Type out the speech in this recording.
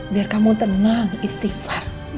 biar kamu tenang istighfar